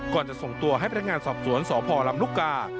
ก่อนจะส่งตัวให้พนักงานสอบสวนสพลำลูกกา